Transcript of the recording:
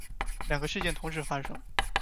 两个事件同时发生